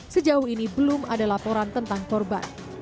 sejauh ini belum ada laporan tentang korban